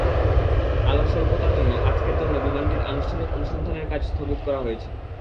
আলোর স্বল্পতার জন্য আজকের জন্য বিমানটির আনুষ্ঠানিক অনুসন্ধানের কাজ স্থগিত করা হয়েছে।